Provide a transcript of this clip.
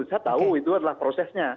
saya tahu itu adalah prosesnya